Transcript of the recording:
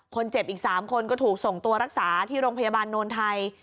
คนเจ็บอีก๓คนก็ถูกส่งตัวรักษาที่โรงพยาบาลโนนไทย